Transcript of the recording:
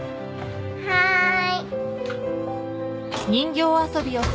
はい。